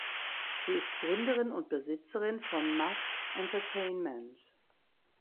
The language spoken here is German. Sie ist Gründerin und Besitzerin von Musk Entertainment.